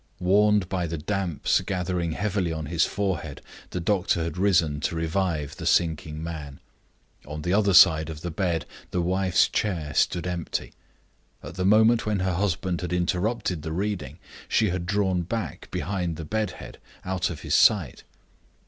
Warned by the damps gathering heavily on his forehead, the doctor had risen to revive the sinking man. On the other side of the bed the wife's chair stood empty. At the moment when her husband had interrupted the reading, she had drawn back behind the bed head, out of his sight.